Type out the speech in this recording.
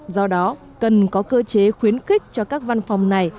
do đó cần có cơ chế khuyến khích cho các văn phòng này